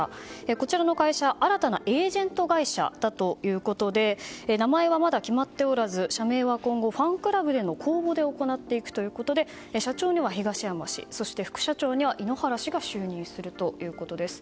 こちらの会社、新たなエージェント会社だということで名前はまだ決まっておらず社名は今後ファンクラブでの公募で行っていくということで社長には東山氏そして、副社長には井ノ原氏が就任するということです。